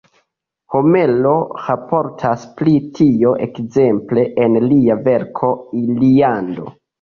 Homero raportas pri tio ekzemple en lia verko Iliado.